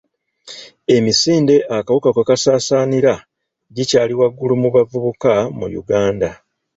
Emisinde akawuka kwe kasaasaanira gikyali waggulu mu bavubuka mu Uganda.